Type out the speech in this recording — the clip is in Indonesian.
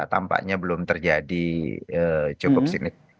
tampaknya belum terjadi cukup signifikan